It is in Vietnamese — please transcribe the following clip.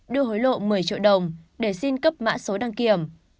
đưa hối lộ một mươi triệu đồng để xin cấp mã số đăng kiểm